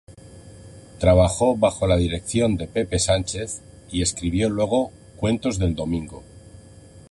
Trabajó bajo la dirección de Pepe Sánchez y escribió luego "Cuentos del domingo".